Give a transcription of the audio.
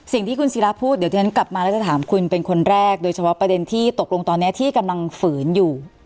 สิ่งที่คุณศิราพูดเดี๋ยวที่ฉันกลับมาแล้วจะถามคุณเป็นคนแรกโดยเฉพาะประเด็นที่ตกลงตอนนี้ที่กำลังฝืนอยู่